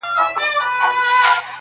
نه ملکانو څه ویل نه څه ویله مُلا٫